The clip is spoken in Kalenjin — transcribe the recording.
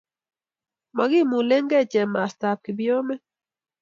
Mokimulenge chamastab kipyomet